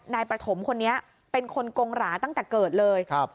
นายประถมคนนี้เป็นคนกงหราตั้งแต่เกิดเลยครับ